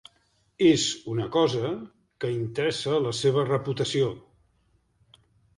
És una cosa que interessa la seva reputació.